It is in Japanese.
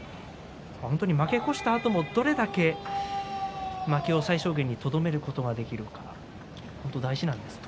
本当に負け越したあともどれだけ負けを最小限にとどめることができるか大事なんですね。